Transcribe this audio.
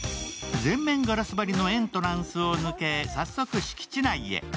全面ガラス張りのエントランスを抜け、早速敷地内へ。